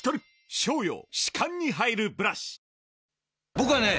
僕はね